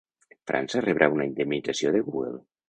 França rebrà una indemnització de Google